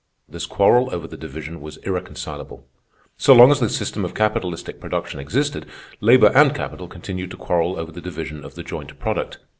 This quarrel over the division was irreconcilable. So long as the system of capitalistic production existed, labor and capital continued to quarrel over the division of the joint product.